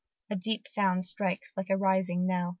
a deep sound strikes like a rising knell!